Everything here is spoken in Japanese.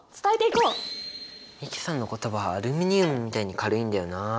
美樹さんの言葉はアルミニウムみたいに軽いんだよな。